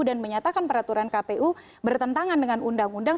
dan menyatakan peraturan kpu bertentangan dengan undang undang